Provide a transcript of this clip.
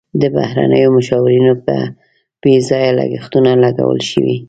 د بهرنیو مشاورینو په بې ځایه لګښتونو لګول شوي.